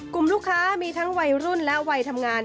กลุ่มลูกค้ามีทั้งวัยรุ่นและวัยทำงาน